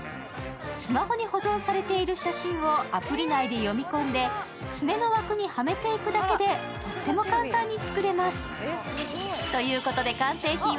スマホに保存されている写真をアプリ内で読み込んで爪の枠にはめていくだけでとっても簡単に作れます。